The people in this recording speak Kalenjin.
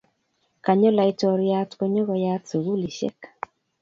Kanyo laitoriat konyoko yat sugulisiek